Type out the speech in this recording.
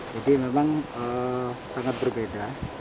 jadi memang sangat berbeda